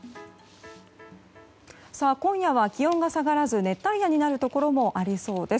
今夜は気温が下がらず熱帯夜になるところもありそうです。